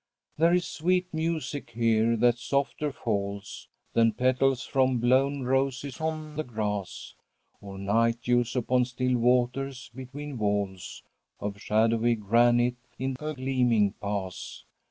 "'There is sweet music here that softer falls Than petals from blown roses on the grass, Or night dews upon still waters, between walls Of shadowy granite in a gleaming pass.